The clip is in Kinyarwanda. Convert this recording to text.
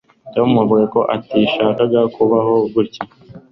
tom avuga ko atagishaka kubaho gutya